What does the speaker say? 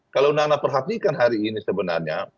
kalau nana perhatikan hari ini sebenarnya